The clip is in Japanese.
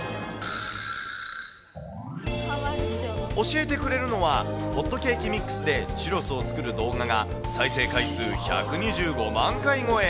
教えてくれるのは、ホットケーキミックスでチュロスを作る動画が再生回数１２５万回超え。